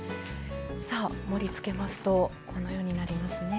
さあ盛りつけますとこのようになりますね。